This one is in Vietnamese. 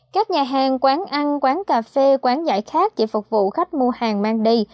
các nhà hàng quán ăn quán cà phê quán giải khác chỉ phục vụ khách mua hàng mang đi